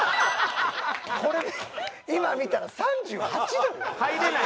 これで今見たら３８度よ。